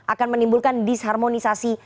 akan menimbulkan disharmonisasi